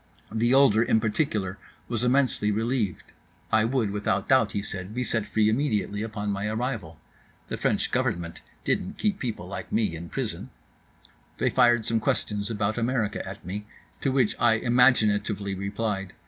The older in particular was immensely relieved.—I would without doubt, he said, be set free immediately upon my arrival. The French government didn't keep people like me in prison.—They fired some questions about America at me, to which I imaginatively replied.